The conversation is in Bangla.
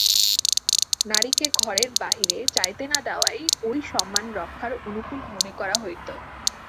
নারীকে ঘরের বাহিরে যাইতে না দেওয়াই ঐ সম্মান রক্ষার অনুকূল মনে করা হইত।